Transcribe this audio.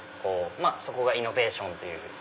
そこがイノベーションという。